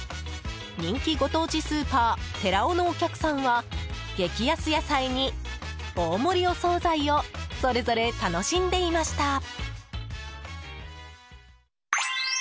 人気ご当地スーパーてらおのお客さんは激安野菜に大盛りお総菜をそれぞれ楽しんでいました。